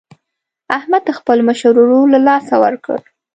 احمد خپل مشر ورور له لاسه ورکړ.